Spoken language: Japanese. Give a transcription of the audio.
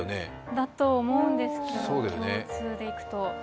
だと思うんですけど、共通でいくと。